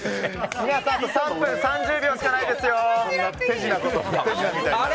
皆さん３分３０秒しかないですよ。